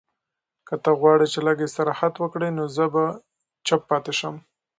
که ته غواړې چې لږ استراحت وکړې، زه به چپ پاتې شم.